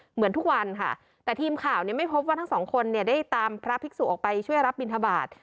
เหมือนทุกวันค่ะแต่ทีมข่าวเนี่ยไม่พบว่าทั้งสองคนเนี่ยได้ตามพระภิกษุออกไปช่วยรับบินทบาท